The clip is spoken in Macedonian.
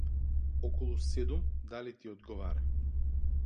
околу седум, дали ти одговара?